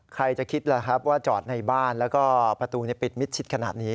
ใครจะคิดล่ะครับว่าจอดในบ้านแล้วก็ประตูปิดมิดชิดขนาดนี้